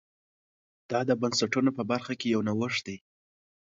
دا د بنسټونو په برخه کې یو نوښت دی